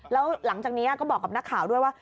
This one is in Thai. แล้วหลังจากนี้ก็บอกกับนักข่าวด้วยว่า